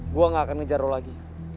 gue gak akan ngejar lo lagi